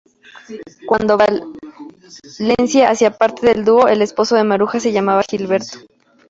Cuando Valencia hacía parte del dúo, el esposo de Maruja se llamaba Gilberto.